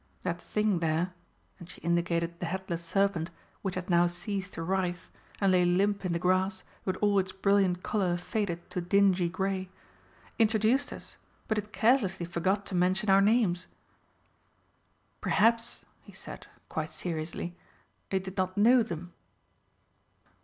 That thing there," and she indicated the headless serpent, which had now ceased to writhe, and lay limp in the grass, with all its brilliant colour faded to dingy grey, "introduced us, but it carelessly forgot to mention our names." "Perhaps," he said, quite seriously, "it did not know them."